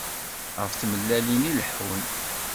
Ɣef tmellalin i leḥun.